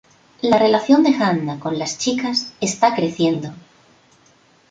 La relación de Hanna con las chicas está creciendo.